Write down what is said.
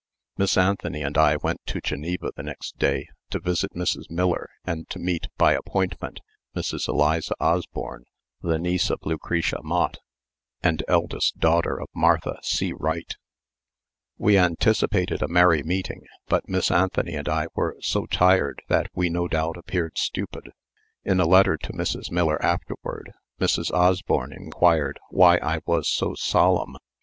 Miss Anthony and I went to Geneva the next day to visit Mrs. Miller and to meet, by appointment, Mrs. Eliza Osborne, the niece of Lucretia Mott, and eldest daughter of Martha C. Wright. We anticipated a merry meeting, but Miss Anthony and I were so tired that we no doubt appeared stupid. In a letter to Mrs. Miller afterward, Mrs. Osborne inquired why I was "so solemn."